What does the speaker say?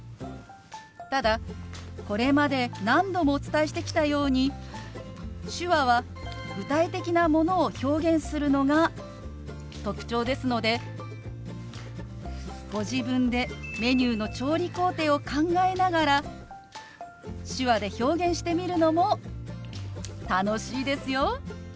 ただこれまで何度もお伝えしてきたように手話は具体的なものを表現するのが特徴ですのでご自分でメニューの調理工程を考えながら手話で表現してみるのも楽しいですよ！